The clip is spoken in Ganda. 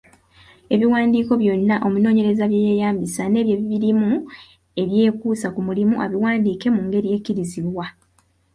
Ebiwandiiko byonna omunoonyereza bye yeeyambisizza n’ebyo ebirimu ebyekuusa ku mulimu, abiwandiike mu ngeri ekkirizibwa.